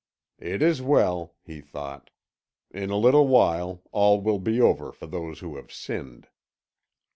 "It is well," he thought. "In a little while all will be over for those who have sinned."